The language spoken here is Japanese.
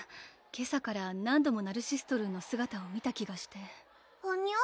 今朝から何度もナルシストルーの姿を見た気がしてはにゃ？